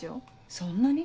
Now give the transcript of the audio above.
そんなに？